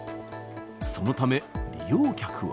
そのため、利用客は。